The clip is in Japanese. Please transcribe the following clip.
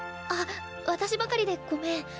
あっ私ばかりでごめん。